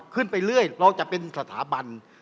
ขึ้นไปเรื่อยเราจะเป็นสถาบัน